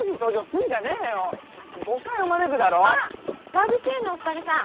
ラブシーンのお２人さん。